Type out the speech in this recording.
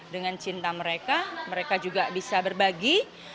dengan cinta mereka mereka juga bisa berbagi